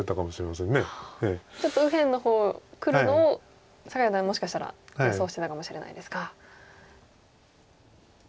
ちょっと右辺の方くるのを酒井四段もしかしたら予想してたかもしれないですか。